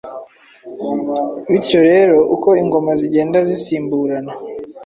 Bityo rero, uko ingoma zigenda zisimburana,